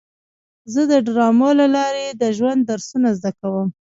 زه د ډرامو له لارې د ژوند درسونه زده کوم.